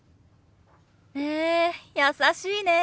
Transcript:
へえ優しいね。